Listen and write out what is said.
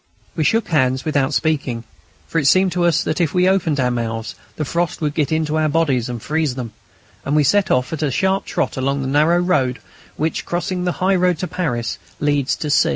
We shook hands without speaking, for it seemed to us that if we opened our mouths the frost would get into our bodies and freeze them, and we set off at a sharp trot along the narrow by road which, crossing the high road to Paris, leads to C.